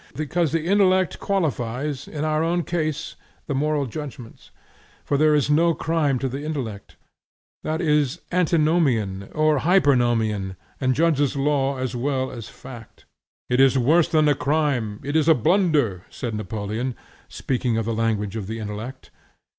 Because the intellect qualifies in our own case the moral judgments. For there is no crime to the intellect. That is antinomian or hypernomian, and judges law as well as fact. "It is worse than a crime, it is a blunder," said Napoleon, speaking the language of the intellect.